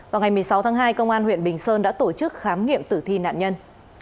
vào ngày một mươi sáu tháng hai công an huyện bình sơn đã tổ chức khám nghiệm tử thi nạn nhân